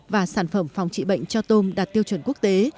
và sản phẩm phòng trị bệnh cho tôm đạt tiêu chuẩn quốc tế